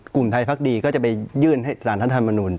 กลุ่มไทยพักดีก็จะไปยื่นให้สารท่านธรรมนุน